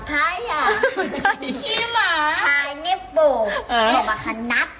ผ่านอยู่แปลง